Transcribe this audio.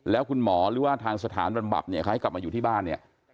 แล้วคุณหมอหรือว่าทางสถานบำบับเนี่ยเขาให้กลับมาอยู่ที่บ้านเนี่ย